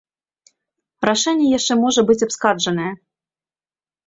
Рашэнне яшчэ можа быць абскарджанае.